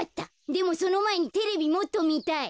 でもそのまえにテレビもっとみたい。